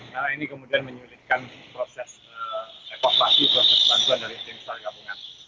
karena ini kemudian menyulitkan proses ekoprasi proses bantuan dari jenis pergabungan